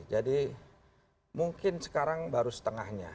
jadi mungkin sekarang baru setengahnya